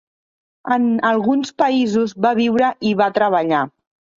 En alguns països, va viure i va treballar.